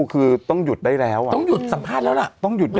คือต้องหยุดได้แล้วต้องหยุดสัมภาษณ์แล้วล่ะ